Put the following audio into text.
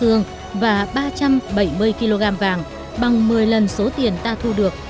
đồng bào đông dương và ba trăm bảy mươi kg vàng bằng một mươi lần số tiền ta thu được